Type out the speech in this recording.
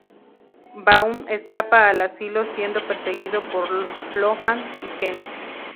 Baum escapa al asilo siendo perseguido por Lohmann y Kent.